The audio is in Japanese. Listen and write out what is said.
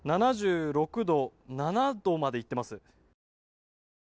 ７７度までいっています。